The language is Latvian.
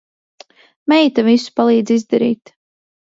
Meita visu palīdz izdarīt.